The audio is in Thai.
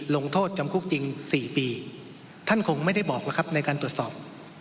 ลงโทษจำคุกจริง๔ปีท่านคงไม่ได้บอกแล้วครับในการตรวจสอบ